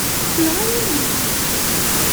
Tenɣam-iyi-tt.